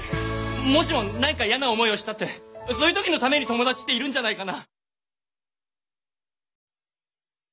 もしも何か嫌な思いをしたってそういう時のために友達っているんじゃないかな。